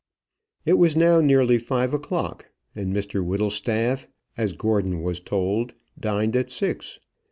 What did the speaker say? It was now nearly five o'clock, and Mr Whittlestaff, as Gordon was told, dined at six.